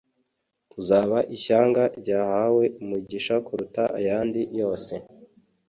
Uzaba ishyanga ryahawe umugisha kuruta ayandi yose.